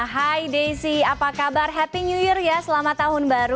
hai daisy apa kabar happy new year ya selamat tahun baru dua ribu sembilan belas